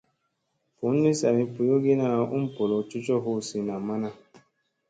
Bunni sami boyogina um bolow coco hu zi namma na.